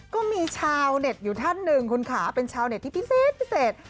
ก็มีชาวเน็ตอยู่ท่านหนึ่งคุณขาเป็นชาวเน็ตที่พิเศษพิเศษ